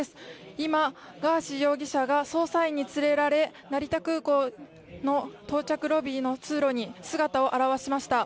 今、ガーシー容疑者が捜査員に連れられ成田空港の到着ロビーの通路に姿を現しました。